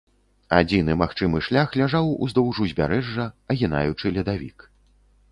Адзіны магчымы шлях ляжаў уздоўж узбярэжжа, агінаючы ледавік.